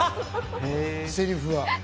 セリフは。